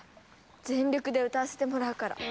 全力で歌わせてもらうから。